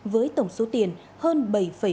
với tổng số tiền hơn bảy một tỷ đồng